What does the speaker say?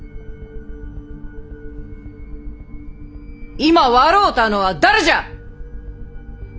今笑うたのは誰じゃ！